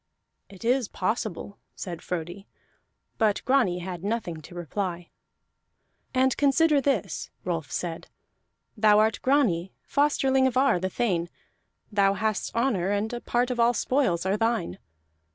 "It is possible," said Frodi, but Grani had nothing to reply. "And consider this," Rolf said. "Thou art Grani, fosterling of Ar the thane; thou hast honor, and a part of all spoils are thine.